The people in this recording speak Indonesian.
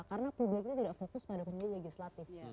karena publiknya tidak fokus pada pemilu legislatif